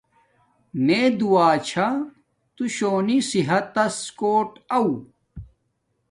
میے دعا چھا تو شوںی صحت تس کوٹ آݹ